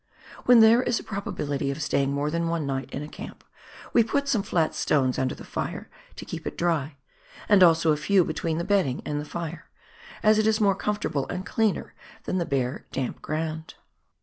When there is a pro* bability of staying more than one night in a camp, we put some flat stones under the fire to keep it dry, and also a few between the bedding and the fire, as it is more comfortable and cleaner than the bare, damp ground.